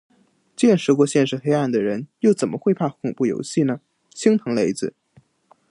见识过现实黑暗的人，又怎么会怕恐怖游戏呢，心疼雷子